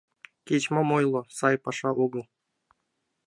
— Кеч-мом ойло, — сай паша огыл!